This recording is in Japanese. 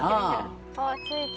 あっ着いた。